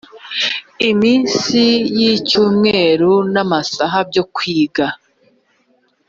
iminsi y icyumweru n amasaha byo kwiga